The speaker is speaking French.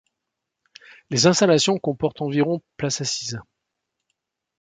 Les installations comportent environ places assises.